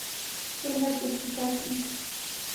ټولې هڅې پيکه شي